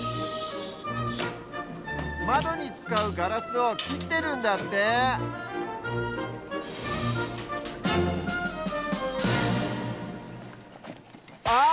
まどにつかうガラスをきってるんだってああ！